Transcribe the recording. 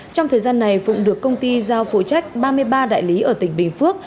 trong thời gian này phụng được công ty giao phụ trách ba mươi ba đại lý ở tỉnh bình phước